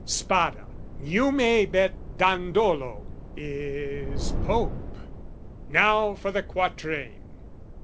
"Spada, you may bet Dandolo, is Pope! "Now for the quatrain!"